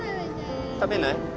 食べない？